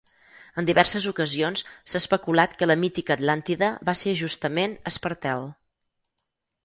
En diverses ocasions s'ha especulat que la mítica Atlàntida va ser justament Espartel.